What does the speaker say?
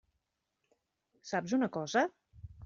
Saps una cosa?